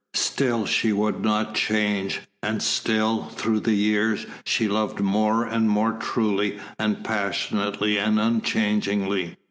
Still she would not change, and still, through the years, she loved more and more truly, and passionately, and unchangingly.